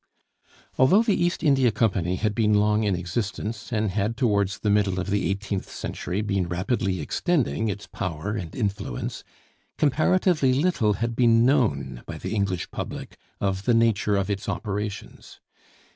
Although the East India Company had been long in existence, and had towards the middle of the eighteenth century been rapidly extending its power and influence, comparatively little had been known by the English public of the nature of its operations.